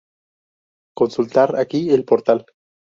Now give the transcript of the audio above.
Consultar aquí el portal.